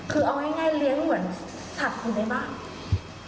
คือเอาง่ายเลี้ยงเหมือนขาดคนในบ้าน